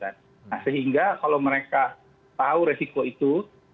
nah sehingga kalau mereka tahu resiko itu